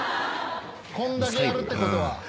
こんだけやるってことは。